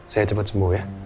saya cepat sembuh ya